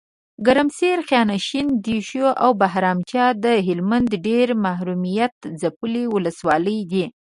ګرمسیر، خانشین، دیشو اوبهرامچه دهلمند ډیري محرومیت ځپلي ولسوالۍ دي .